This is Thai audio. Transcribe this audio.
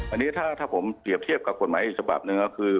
อันนี้ถ้าผมเปรียบเทียบกับกฎหมายอีกฉบับหนึ่งก็คือ